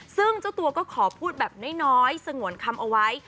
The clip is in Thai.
ซึ่งเจ้าตัวก็ขอพูดแบบน้อยสงวนคำเอาไว้